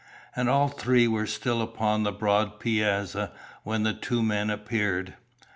And all three were still upon the broad piazza when the two men appeared.